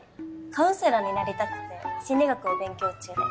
カウンセラーになりたくて心理学を勉強中で。